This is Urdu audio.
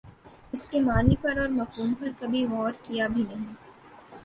اسکے معانی پر اور مفہوم پر کبھی غورکیا بھی نہیں